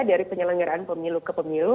dari penyelenggaraan pemilu ke pemilu